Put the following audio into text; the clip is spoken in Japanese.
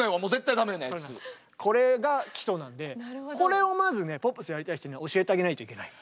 これが基礎なんでこれをまずねポップスやりたい人には教えてあげないといけない。